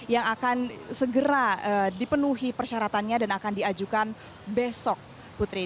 yang akan segera dipenuhi persyaratannya dan akan diajukan besok putri